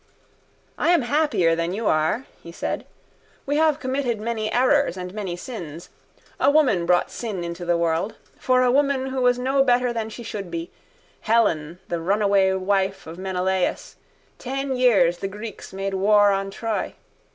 —I am happier than you are, he said. We have committed many errors and many sins. A woman brought sin into the world. For a woman who was no better than she should be, Helen, the runaway wife of Menelaus, ten years the Greeks made war on Troy.